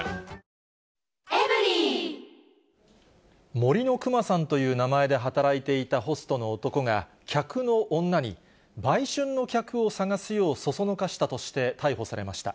森のくまさんという名前で働いていたホストの男が、客の女に、売春の客を探すよう唆したとして逮捕されました。